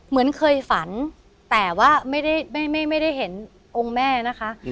เหมือนเคยฝันแต่ว่าไม่ได้เห็นองค์แม่นะคะ